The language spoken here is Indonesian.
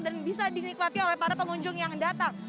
bisa dinikmati oleh para pengunjung yang datang